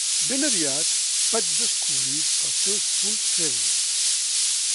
Ben aviat vaig descobrir els seus punts febles.